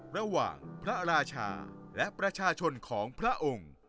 ระหว่างพระราชาและประชาชนของพระองค์